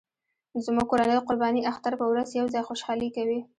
زموږ کورنۍ د قرباني اختر په ورځ یو ځای خوشحالي کوي